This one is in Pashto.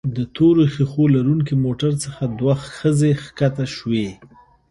د تورو ښيښو لرونکي موټر څخه دوه ښځې ښکته شوې.